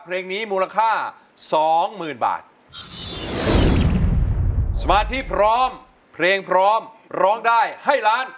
เพลงนี้มูลค่าสองหมื่นบาทสมาธิพร้อมเพลงพร้อมร้องได้ให้ล้าน